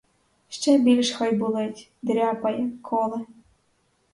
Ще більш хай болить, дряпає, коле!